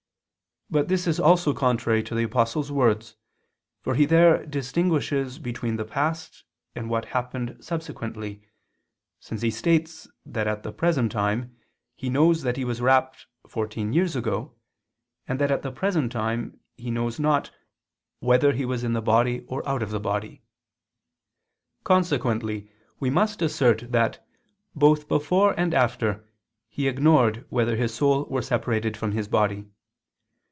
But this also is contrary to the Apostle's words, for he there distinguishes between the past and what happened subsequently, since he states that at the present time he knows that he was rapt "fourteen years ago," and that at the present time he knows not "whether he was in the body or out of the body." Consequently we must assert that both before and after he ignored whether his soul were separated from his body.